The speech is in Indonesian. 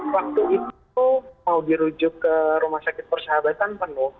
waktu itu mau dirujuk ke rumah sakit persahabatan penuh